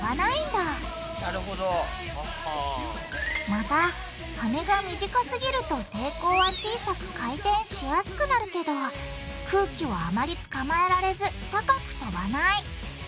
また羽が短すぎると抵抗は小さく回転しやすくなるけど空気をあまりつかまえられず高く飛ばない。